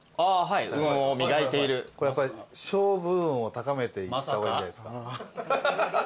勝負運を高めていった方がいいんじゃないですか？